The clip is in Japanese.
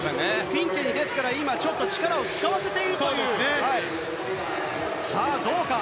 フィンケに力を使わせているという。